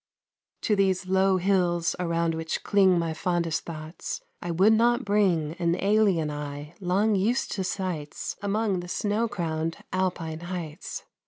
To these low hills, around which cling My fondest thoughts, I would not bring An alien eye long used to sights Among the snow crowned Alpine heights.